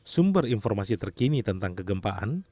sumber informasi terkini tentang kegempaan